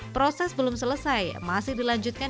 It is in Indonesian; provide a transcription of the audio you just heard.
proses belum selesai masih dilanjutkan